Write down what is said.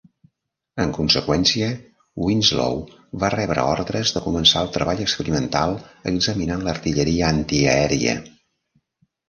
En conseqüència, Winslow va rebre ordres de començar el treball experimental examinant l'artilleria antiaèria.